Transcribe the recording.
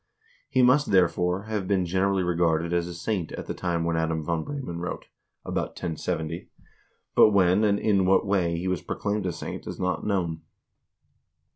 He must, therefore, have been generally regarded as a saint at the time when Adam v. Bremen wrote (about 1070), but when and in what way he was proclaimed a saint is not known.